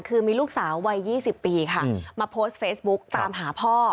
คือมีลูกสาววัย๒๐ปีค่ะมาโพสต์เฟซบุ๊กตามหาพ่อ